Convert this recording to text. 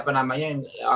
pidana yang diserahkan